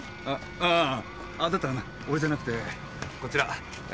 ああだったら俺じゃなくてこちらこちらが。